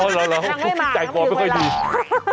เราใช้กว่าไม่ค่อยดียังไม่มากมันไม่ถึงเวลา